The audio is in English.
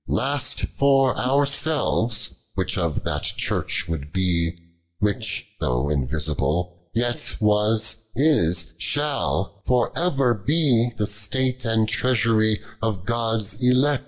9;"). Last, for ourselves, which of that Church would be Which — though invisible — yet was, is, shall For ever be the State and treasurie Of (iod's eltH.